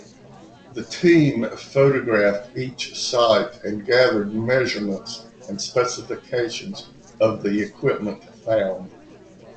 The team photographed each site and gathered measurements and specifications of the equipment found.